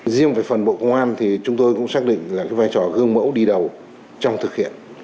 riêng về phần bộ công an thì chúng tôi cũng xác định là vai trò gương mẫu đi đầu trong thực hiện